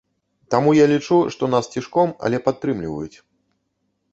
Таму я лічу, што нас цішком, але падтрымліваюць.